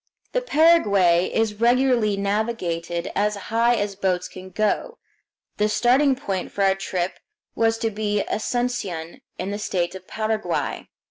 The Paraguay is regularly navigated as high as boats can go. The starting point for our trip was to be Asuncion, in the state of Paraguay.